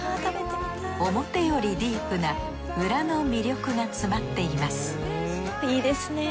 表よりディープな裏の魅力が詰まっていますいいですねぇ。